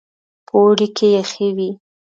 په اوړي کې يخې وې.